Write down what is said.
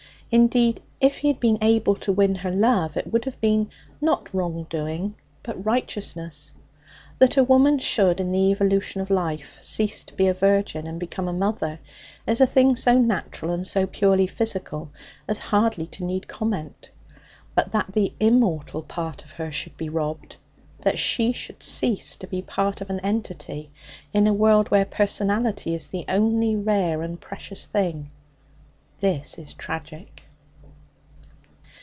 Indeed, if he had been able to win her love, it would have been, not wrong doing, but righteousness. That a woman should, in the evolution of life, cease to be a virgin and become a mother is a thing so natural and so purely physical as hardly to need comment; but that the immortal part of her should be robbed, that she should cease to be part of an entity in a world where personality is the only rare and precious thing this is tragic.